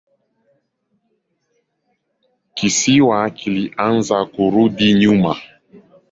Kisiwa kilianza kurudi nyuma.